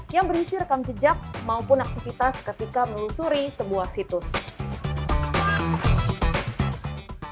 yang berisi rekam jejak maupun aktivitas ketika melusuri sebuah situs